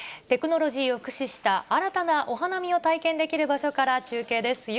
テクノロジーを駆使した新たなお花見を体験できる場所から中継です。